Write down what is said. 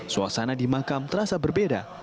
suasana di makam terasa berbeda